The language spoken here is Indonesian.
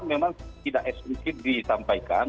memang tidak eksplisit disampaikan